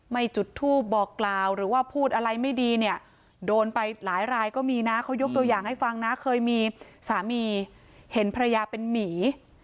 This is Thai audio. จุดทูปบอกกล่าวหรือว่าพูดอะไรไม่ดีเนี่ยโดนไปหลายรายก็มีนะเขายกตัวอย่างให้ฟังนะเคยมีสามีเห็นภรรยาเป็นหมี